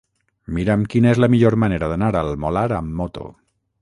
Mira'm quina és la millor manera d'anar al Molar amb moto.